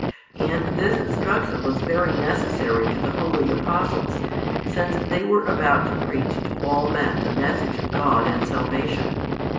And this instruction was very necessary to the holy Apostles, since they were about to preach to all men the message of God and salvation.